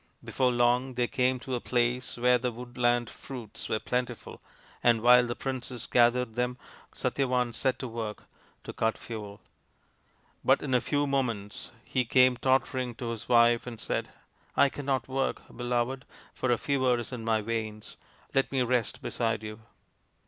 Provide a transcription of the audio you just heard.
Before long they came to a place where the wood land fruits were plentiful, and while the princess gathered them, Satyavan set to work to cut fuel. But in a few moments he came tottering to his wife and said, " I cannot work, beloved, for a fever is in my veins. Let me rest beside you."